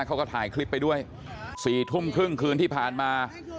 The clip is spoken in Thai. เขาก็ถ่ายคลิปไปด้วย๔ทุ่มครึ่งคืนที่ผ่านมา